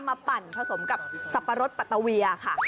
ปั่นผสมกับสับปะรดปัตตะเวียค่ะ